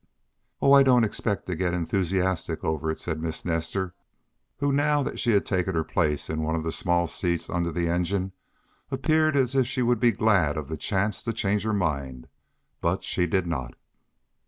"Oh, I don't expect to get enthusiastic over it," said Miss Nestor, who, now that she had taken her place in one of the small seats under the engine, appeared as if she would be glad of the chance to change her mind. But she did not.